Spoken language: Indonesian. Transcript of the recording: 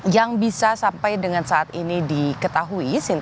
yang bisa sampai dengan saat ini diketahui